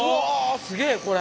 すげえこれ。